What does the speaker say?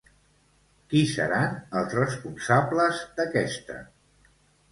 Qui seran els responsables d'aquesta?